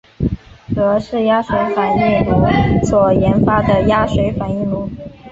俄式压水反应炉所研发的压水反应炉。